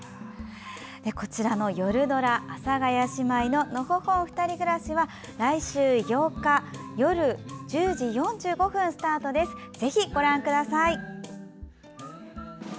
こちらの、よるドラ「阿佐ヶ谷姉妹ののほほんふたり暮らし」は来週の月曜日夜１０時４５分スタートです。